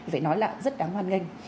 phải nói là rất đáng hoan nghênh